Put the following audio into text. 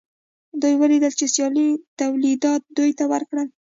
دوی ولیدل چې سیالۍ تولیدات دوی ته ورکړل